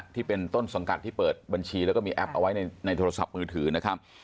ที่เป็นต้นสังกัดที่เปิดบัญชีแล้วก็มีแอปเอาไว้ในโทรศัพท์มือถือนะครับ